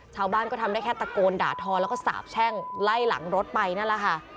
ชาวบ้านก็ทำได้แค่ตะโกนด่าทอแล้วก็สาบแช่งไล่หลังรถไปนั่นแหละค่ะ